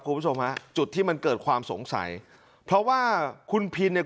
คุณผู้ชมฮะจุดที่มันเกิดความสงสัยเพราะว่าคุณพินเนี่ย